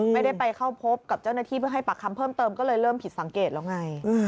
ไม่ได้ไปเข้าพบกับเจ้าหน้าที่เพื่อให้ปากคำเพิ่มเติมก็เลยเริ่มผิดสังเกตแล้วไง